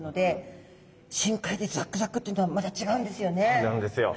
そうなんですよ。